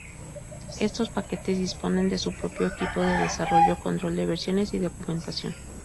Estos paquetes disponen de su propio equipo de desarrollo, control de versiones y documentación.